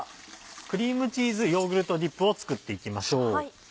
クリームチーズヨーグルトディップを作っていきましょう。